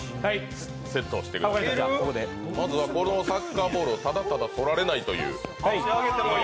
まずはこのサッカーボールをただただ取られないという。